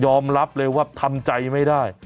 รับเลยว่าทำใจไม่ได้